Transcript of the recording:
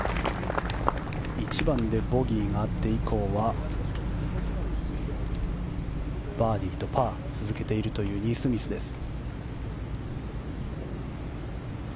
１番でボギーがあって以降はバーディーとパー続けているというニースミスです。